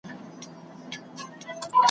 درڅخه ځمه خوږو دوستانو ,